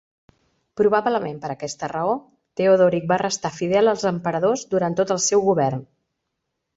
Probablement per aquesta raó, Teodoric va restar fidel als emperadors durant tot el seu govern.